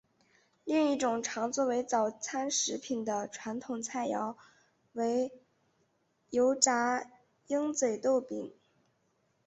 另一种常作为早餐食品的传统菜肴为油炸鹰嘴豆饼。